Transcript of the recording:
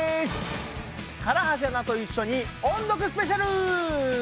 唐橋アナと一緒に音読スペシャル！